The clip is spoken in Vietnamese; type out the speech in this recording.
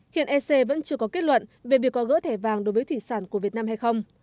hiện ec vẫn chưa có kết luận về việc có gỡ thẻ vàng đối với thủy sản của việt nam hay không